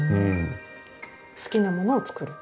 好きなものを作る？